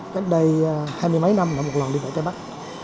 cách đây hai mươi mấy năm là một lần đi vẽ tây bắc